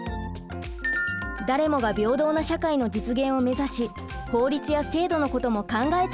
誰もが平等な社会の実現をめざし法律や制度のことも考えていきましょう。